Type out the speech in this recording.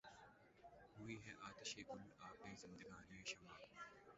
ہوئی ہے آتشِ گُل آبِ زندگانیِ شمع